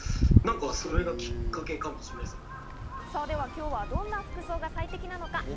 では今日はどんな服装が最適なのか？